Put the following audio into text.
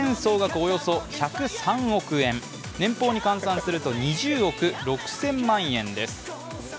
およそ１０３億円、年俸に加算すると２０億６０００万円です。